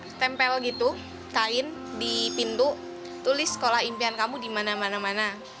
saya tempel gitu kain di pintu tulis sekolah impian kamu di mana mana mana